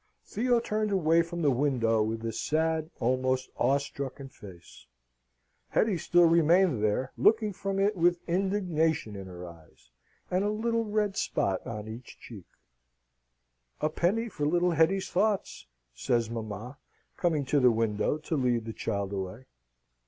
Theo turned away from the window with a sad, almost awestricken face. Hetty still remained there, looking from it with indignation in her eyes, and a little red spot on each cheek. "A penny for little Hetty's thoughts," says mamma, coming to the window to lead the child away.